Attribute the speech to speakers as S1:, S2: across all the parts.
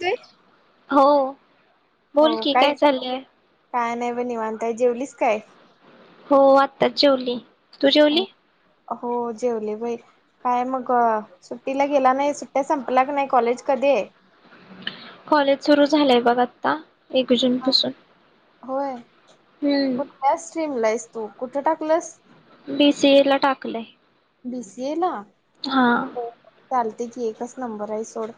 S1: ते
S2: हो बोल की काय चाललंय?
S1: काय नाय ब निवांत आहे. जेवलीस काय?
S2: हो आत्ताच जेवली. तू जेवली?
S1: हो जेवले बई काय मग सुट्टीला गेला नाही. सुट्ट्या संपला क नाही कॉलेज कधी आहे?
S2: कॉलेज सुरू झालंय बघ आत्ता. एक जूनपसून.
S1: होय. कुठल्या स्ट्रीमला आहेस तू? कुठं टाकलस?
S2: कले
S1: बी सी ए ला?
S2: हा.
S1: हो चालते की एकच नंबर आहे सोड.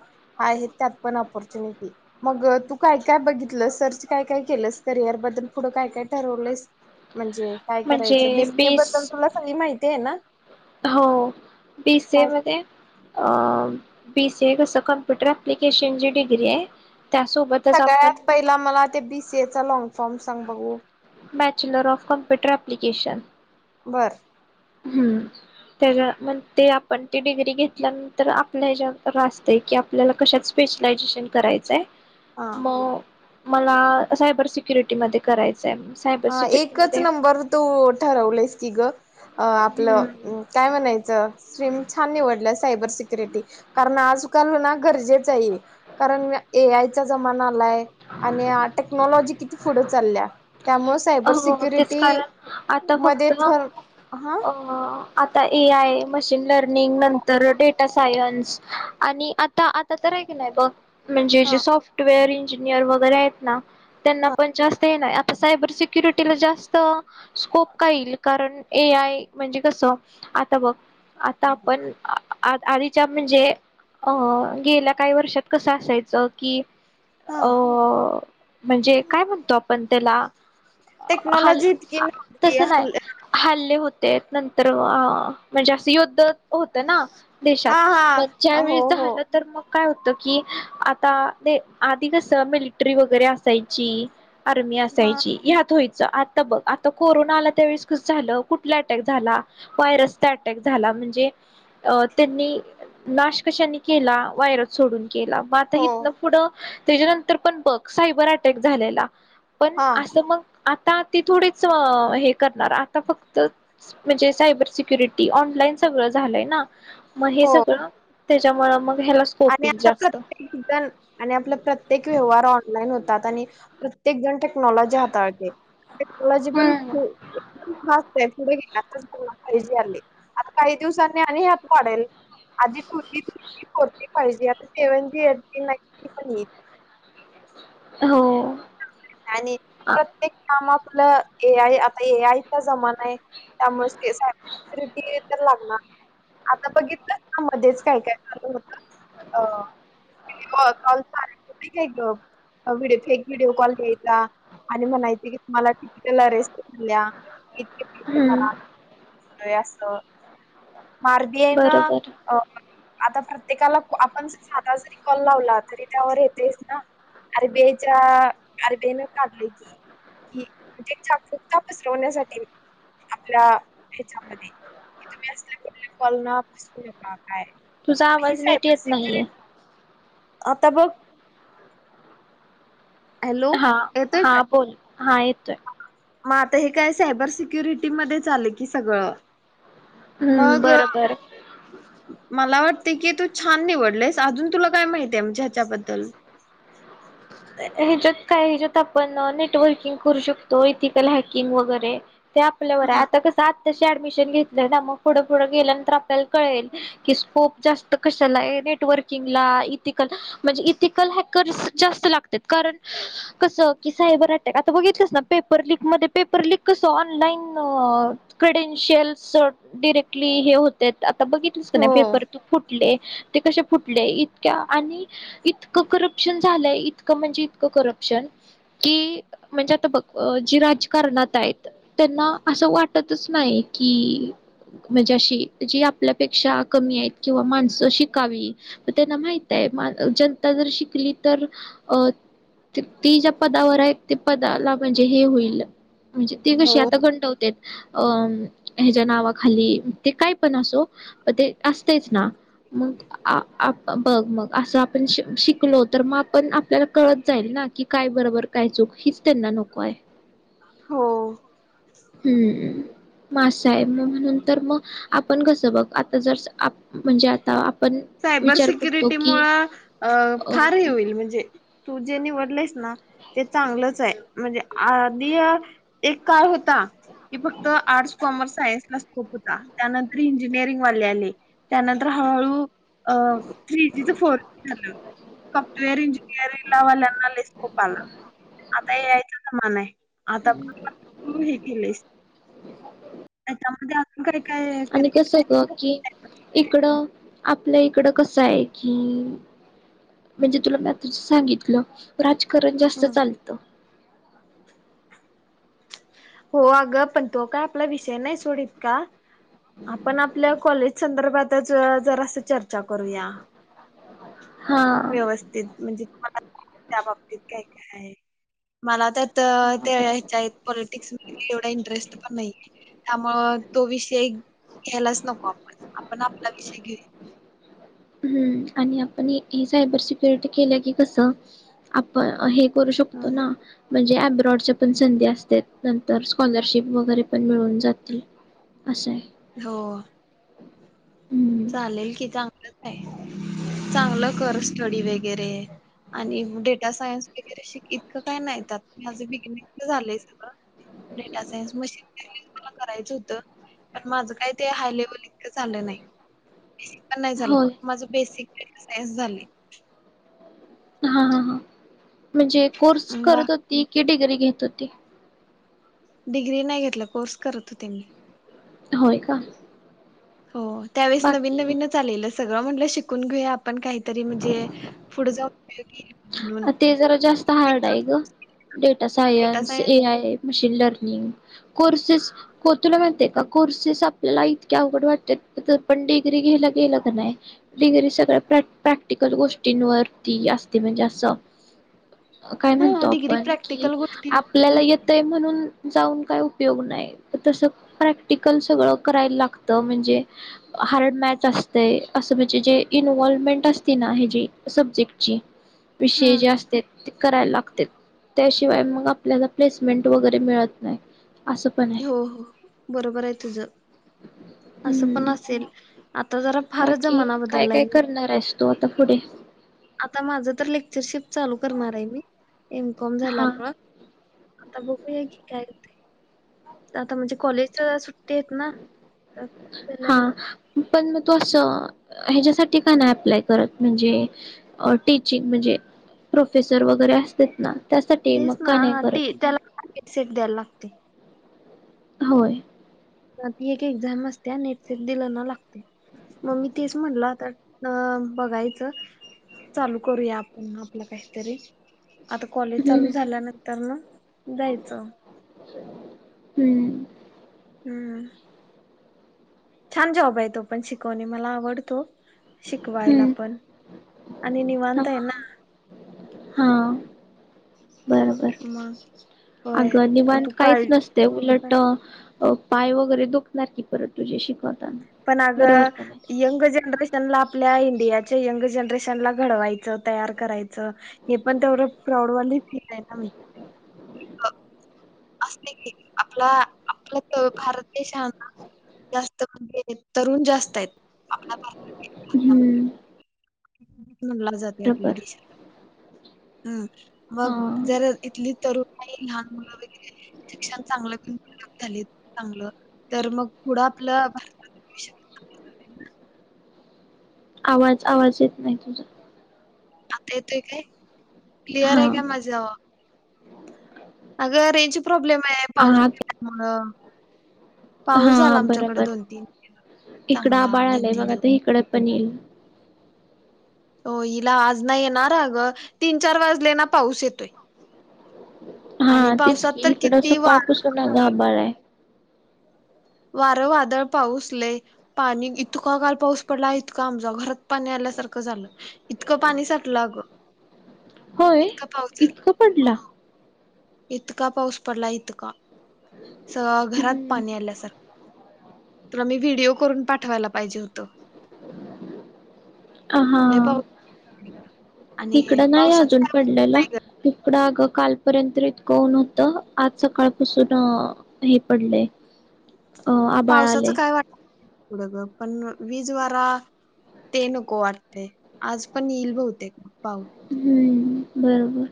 S1: आहे त्यात पण अपॉर्च्युनिटी. मग तू काय काय बघितलंस सर्च काय काय केलस, करिअर बद्दल पुढं काय काय ठरवलंयस? म्हणजे काय
S2: म्हणजे
S1: करायचं. बी सी ए
S2: बीस
S1: बद्दल तुला सगळी माहिती आहे ना?
S2: हो बी सी ए
S1: काय
S2: मध्ये अ बी सी ए कस कंप्युटर एप्लिकेशन ज डिग्री आहे. त्यासोबतच आपण
S1: सगळ्यात पहिला मला ते बी सी ए चा लॉग फॉर्म सांग बघू.
S2: Bachelor of computer application.
S1: बर.
S2: हम्म त्याच्या म ते आपण डिग्री घेतल्यानंतर आपल्या हच्यानंतर असतय की, आपल्याला कशात स्पेशलायझेशन करायचंय.
S1: हा
S2: म मला सायबर सिक्युरिटीमध्ये करायचं
S1: हा एकच नंबर तू ठरवलयस की ग. अ
S2: हम्म
S1: आपलं काय म्हणायचं स्रीम छान निवडल्या सायबर सिक्युरिटी. कारण आज काल ना गरजेचं चहायए. कारण ए आय च्या जमाना आलाय आणि टेक्नॉलॉजी किती पुढे चालल्या. त्यामुळे सायबर
S2: हो तेच
S1: सिक्युरिटी
S2: कारण आता
S1: मध्ये,
S2: फक्त
S1: फर हा?
S2: अ आता ए आय मशीन लर लर्निग
S1: हो
S2: नंतर डे डेटा सायन्स आणि आता आता तर आहे कणी बघ म्हणजे जे
S1: हा
S2: सॉफ्टवेअर इंजिनियर वगैरे आहेत ना. त्यांना
S1: हा
S2: पण जास्त ये नाही सायबर सिक्युरिटीला जास्त स्कोप का येईल, कारण ए आय म्हणजे कसं आता बघ आता आपण आ आधीच्या म्हणजे, अं गेल्या काही वर्षात कसं असायचं की
S1: हा
S2: अ म्हणजे काय म्हणतो आपण? तेला [unintelligible] ह
S1: टेक्नॉलॉजी इतकी नव्हती
S2: तस नाय हल्ले होते ते नंतर [unintelligible] म्हणजे असं युद्ध होत ना देशात
S1: हा
S2: मग ज्या
S1: हा हो
S2: वेळेस
S1: हो
S2: झालं तर मग काय होत की आता आधी कस मििटरी वगैरे असायची आता,
S1: हा
S2: असायची हत होयच आता बघ आता कोरोना आला त्यावेेळेस कस झालं कुठला अटॅक झाला वायरसचा अटॅक झाला म्हणजे अ त्यांनी नाश कशानी केला वयरस सोडून, केला म आता
S1: हो
S2: इथन पुढं, त्याच्यानंतर पण बघ सायबर अटॅक झालेला, पण
S1: हा
S2: असं मग आ ता ती थोडेच हे करणार आता फक्त म्हणजे सायबर सिक्युरिटी ऑनलाईन सगळं झालंय ना, मग हे
S1: हो
S2: सगळं त्याच्यामुळे मग ह्याला स्कोप
S1: आणि
S2: येईल
S1: आता
S2: जास्त
S1: प्रत्येक जण आणि आपला प्रत्येक व्यवहार ऑनलाईन होत. आणि आता प्रत्येक, टेक्नॉलॉजी हाताळते टेक्नॉलॉजी पण
S2: हम्म
S1: फास्ट आहेपुढे आता च पूर्ण फायजी आलाय आहे आता काही दिवसांनी आणि हात वाढेल आधी [unintelligible] पाहिजे आता तेवणज [unintelligible] ये नाही पण येईल
S2: हो
S1: आणि [unintelligible] प्रत्येक कामा आपलं ए आय आता ए आयचा जमाना आहे त्यामुळे सायबर स्युिटी तर लागणार आता बघितलं ना मध्येच काय काय चालू होत [unintelligible] कॉल काही फेक व्हिडिओ कॉल घ [unintelligible] आणि म्ह माहिती की तुम्हाला तिकीटला रेस्टल्या [unintelligible]
S2: हम्म
S1: तयास आरबीआयने
S2: बरोबर
S1: आता प्रत्येकाला आपण साधा जरी कॉल लावला तरी त्यावर येतेस ना अरबीच्या अरबेन काढलं की कि म्हणजे छूकता [unintelligible] पसरवण्यासाठी आपल्या ह्याच्यामध्ये [unintelligible] कि तुम्ही असल्या कुठल्या कलना पसरू नका काय
S2: तुझा
S1: ही
S2: आवाज नीट
S1: सायबर
S2: येत
S1: सिक्युरिटी
S2: नाहीये.
S1: आता बघ, हॅलो
S2: हा
S1: येतोय काय
S2: हा बोल हा येतोय,
S1: मग आता हे काय सायबर सिक्युरिटीमध्येध्ये चाले की सगळं.
S2: हम्म
S1: मग
S2: बरं बरं
S1: मला वाट [unintelligible] तू छान निवडलस अजून तुला काय माहितीय म्हणजे ह्याच्याबद्दल
S2: ह्याच्यात काय ह्याच्यात आपण नेटवर्किंग करू शकतो इथे केली हॅकिंग वगैरे ते आपल्यावर आहे
S1: हा
S2: आता कसात आता शी ऍडमिशन घेतलंय ना मग पुढे पुढे गेल्यानंतर आपल्याला कळेल कि स्कोप जास्त कशाला नेटवर्किंग ला [unintelligible] म्हणजे इथिकल हॅकर्स जास्त लागतात ना कारण कस की सायबर अटॅक आता बघितलं ना पेपर लिक म पेपरलीिक कस ऑनलाईन क्रेडेनशियल डिरेक्टली हे होत आता बघितस कनी
S1: हो
S2: नाही पेपर तू फुटले? ते कश फुटले इतक्या आणि इतकं करप्शन झालंय इतक म्हणजे इतकं करप्शन कि म्हणजे, आता बघ जी राजकारणात आहेत त्यांना असं वाटतच नाही कि म्हणजे अशी जी आपल्यापेक्षा कमी आहेत, किंवा माणसं शिकावी त्यांना माहित आहे जनता जर शिकली तर अ ती ज्या पदावर आहे ते पदाला म्हणजे हे होईल म्हणजे ती
S1: हो
S2: कशी आता गंटवते अ ह्याच्या नावाखाली ते काय पण असो प ते असतेच ना मगं बघ मगं असं आपण शिकलो तर मगं आपण आपला कळत जाईल ना की काय बरोबर काय चूक हीच त्यांना नको आहे
S1: हो.
S2: हम्म! मासाय मगं म्हण मगं आपण कस बघं आता जर म्हणजे आता आपण
S1: सायबर
S2: विचार करतो
S1: सिक्युरिटी
S2: की
S1: मुळ
S2: अ
S1: फार हे होईल म्हणजे तू जे निवडलेस ना ते चांगलंच आहे म्हणजे आधी, एक कार होता कि फक्त आर्टस कॉमर्स सायन्स ला खप होता त्यानंतर इंजिनिअरिंग वाले आले त्यानंतर हळूहळू अ थ्री जी तर फोन [inaudible]
S2: आणि कसं गं की इकडं आप आपल इकडं कस आहे, की म्हणजे तुला म आता सांगितलं करत जास्त
S1: हं.
S2: चालत
S1: हो अगं पण तो काय आपला विषय नाही सोडीत का. आपण आपल्या कॉलेज संदर्भातच जरा अस चर्चा करूया?
S2: हा
S1: व्यवस्थित म्हणजे त्या बाबतीत काय काय आहे मला तर तर
S2: हा
S1: त्या
S2: बरोबर
S1: याच्या आहेत पॉलिटिक्समध्येध्ये एवढां इंटरेस्ट पण नाही त्यामुळं तो विषय घ्यायलाच नको आपण, आपण आपला विषय घेऊ
S2: ह्म आणि आपण सायबर सिक्युरिटी केलं की कस आपण हे करु शकतो ना बॉडच्या पण संधी असतात नंतर स्कॉलरशिप वगैरे पण मिळून जातील, असं आहे
S1: हो.
S2: हम्म
S1: चालेल कि चांगलंच आहे चांगलं कर स्टडी वगैरे आणि डेटा सायन्स वगैरे श इतकं काय नाहीत माझ बिगनि तर झालंय सगळं डेटा सायन्स मशीन मला करायचं होत पण माझ काय ते हाय लेवल इतकं झालं नाही. पण नाही झालं
S2: होय
S1: फक्त माझं बेसिक एक्सरज झाली
S2: हा हा हा. म्हणजे कोर्स
S1: बा
S2: करत होती की डिग्री घेत होते
S1: डिग्री नाही घेतला कोर्स करत होते मी
S2: होय का
S1: हो त्यावेळेस नवीन
S2: बाकी
S1: नवीन चालेल सगळ चला म्हटल शिकून घेऊया आपण काहीतरी म्हणजे पुढे जाऊन उपयोगी येईल म्हणून
S2: ते जरा जास्त हार्ड आहे ग data science, A I A. Machine learning, courses, तुला माहिती आहे का? कोर्सेस आपल्याला इतके अवघड वाटतात, पन डिग्री घ्यायला गेल कि नाय, डिग्री सगळं प्रॅक्टिकल.. प्रॅक्टिकल गोष्टींवरती असता ते म्हणजे अस काय
S1: हा
S2: म्हणतो
S1: डिग्री
S2: आपण कि,
S1: प्रॅक्टिकल गोष्टी
S2: आपल्याला येतय म्हणून... जाऊन काय उपयोग नाय. तसं प्रॅक्टिकल सगळ करायला लागत. म्हणजे हार्ड मॅच असतंय. असं म्हणजे जे इन्व्हॉलमेंट असते ना, ह्याची सब्जेक्टची.
S1: हा
S2: विषय जे असत्यात ते करायला लागत्यात. त्याशिवाय मंग आपल्याला प्लेसमेंट वैगरे मिळत नाय.
S1: हो, हो. बरोबर हाय तुझं. आस पन
S2: हम्म
S1: असेल, आत्ताजरा
S2: बाकी, काय काय करणार आहे? तो आता पुढे...
S1: माझ तर लेक्चरशिप चालू करणार आहे मी. एमकॉम
S2: हा
S1: झाल्यामुळ... आता बघूया की काय ते? आता म्हनजे कॉलेजच्या सुट्टी हायत ना! तर
S2: हा,
S1: झाल्यानंतर
S2: पन म तू असं? ह्याच्यासाठी का नाय अप्लाय करत? म्हनजे अ.. टिचिंग म्हनजे प्रोफेसर वैगरे असतात न!
S1: तेच ना! ते. त्याला नेटसेट द्याला लागते.
S2: होय.
S1: नक्की एक एक्झाम असताया. नेटसेट दिल ना, लागतंय. मग मी तेच म्हनल, आता न.. बघायच चालू करूया आपन आपल काहीतरी. आता कॉलेज चालू
S2: हम्म
S1: झाल्यानंतर ना, जायच.
S2: हम्म
S1: हं छान जॉब आहे तो पण शिकवणे मला आवडतो. शिकवायला
S2: हम्म
S1: पण. आणि
S2: हा
S1: निवांत हाय ना.
S2: हा
S1: मग? होय
S2: अग निवांत
S1: तू काळ
S2: काहीच नसतंय. उलट.. हाव, पाय वैगरे दुखनार कीं परत तुझे! शिकवताना.
S1: पन आग,
S2: बरोबर का नाही?
S1: यंग जनरेशनला... आपल्या इंडियाच्या यंग जनरेशनला घडवायच. तयार करायचं. हे पण तेवढं प्राऊडवाली फील आहे ना मग? आपला भारत देशात ना तरुण जास्त...
S2: हं
S1: [inaudible] म्हनला जातेय आपल्या देशात. हा.
S2: हा
S1: मग जर इथली तरुण [unintelligible] तर मग पुढ आपलं [unintelligible]
S2: आवाज, आवाज येत नाही तुझा.
S1: आता येतोय काय? क्लिअर
S2: हा
S1: आहे काय माझ अग रेंज प्रॉब्लेम काय पाऊस
S2: हा
S1: मुळ पाऊस झाला
S2: हा
S1: आमच्याकडे
S2: बरोबर
S1: दोन तीन
S2: इकडं
S1: चांगला
S2: आबाळ
S1: दोन
S2: आलंय
S1: तीन
S2: बघ
S1: दिव
S2: आता इकडं पण येईल
S1: हो हिला आज नाही येणार अग तीन चार वाजले ना पाऊस येतोय. आणि
S2: हा तेच
S1: पावसात
S2: की
S1: तर
S2: इकड
S1: किती वारं
S2: सकाळपासून अग
S1: वादळ
S2: आभाळ हाय
S1: वारं वादळ पाऊस लई पाणी, इतका काल पाऊस पडला इतका आमचा घरात पाणी आल्यासारखं झालं इतकं पाणी साठलं अगं
S2: होय
S1: इतका पाऊस
S2: इतकं
S1: झाला हो
S2: पडला.
S1: इतका पाऊस पडला इतका अस घरात
S2: हम्म
S1: पाणी आल्यासारखं तुला मी व्हिडिओ करून पाठवायला पाहिजे होतं.
S2: हा
S1: लय पाऊस आहे इकडं. आणि
S2: इकडं नाही
S1: पावसाचं
S2: अजून
S1: काय वाटत
S2: पडलेला.
S1: नाही ग
S2: इकडं अग कालपर्यंत इतक ऊन होतं आज सकाळपासून हे पडलंय अ आबाळ
S1: पावसाचं
S2: आलय
S1: काय वाट एढ पण वीज वारा ते नको वाटतय आज पण येईल बहुतेक. पाऊस
S2: हम्म. बरोबर.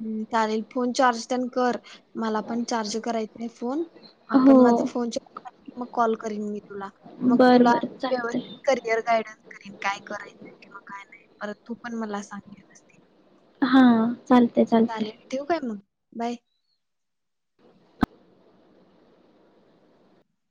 S1: हम्म चालेल फोन चार्ज तेन कर मला पण चार्ज करायचं आहे फोन
S2: हो
S1: आपण माझ फोन चार्ज झाला की मग कॉल करीन मी तुला मग
S2: बर
S1: तुला
S2: बर चालतय
S1: व्यवस्थित करियर गायडन्स करेन काय करायचं किंवा काय नाय. परत तू पण मला सांगत [unintelligible]
S2: हा. चालतय चालतय
S1: चालेल ठेऊ काय मग. बाय.